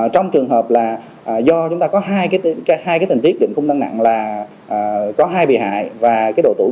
trong trường hợp là do chúng ta có hai tình tiết định khung năng nặng là có hai bị hại